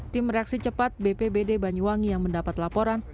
tim reaksi cepat bpbd banyuwangi yang mendapat laporan